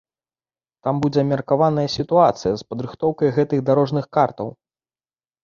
Там будзе абмеркаваная сітуацыя з падрыхтоўкай гэтых дарожных картаў.